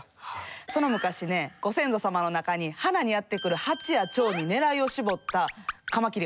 その昔ねご先祖様の中に花にやって来るハチやチョウに狙いを絞ったカマキリがいたんですよ。